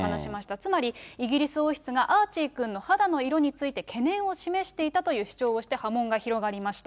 つまり、イギリス王室がアーチー君の肌の色について、懸念を示していたという主張をして、波紋が広がりました。